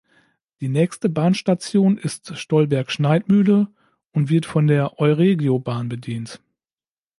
Die nächste Bahnstation ist Stolberg-Schneidmühle und wird von der Euregiobahn bedient.